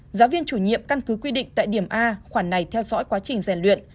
giáo viên chủ nhiệm căn cứ quy định tại điểm a khoản này theo dõi quá trình rèn luyện